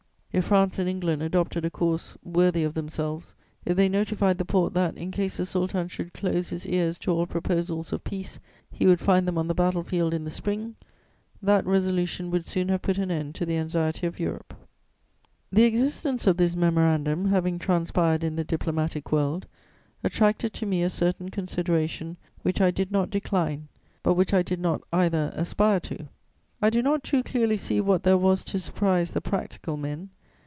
If France and England adopted a course worthy of themselves, if they notified the Porte that, in case the Sultan should close his ears to all proposals of peace, he would find them on the battle field in the spring, that resolution would soon have put an end to the anxiety of Europe." The existence of this Memorandum, having transpired in the diplomatic world, attracted to me a certain consideration which I did not decline, but which I did not either aspire to. I do not too clearly see what there was to surprise the "practical" men.